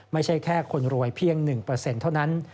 ไม่ใช่แค่คนรวยเพียง๑เท่านั้น